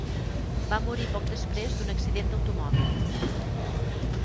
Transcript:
Va morir poc després d'un accident d'automòbil.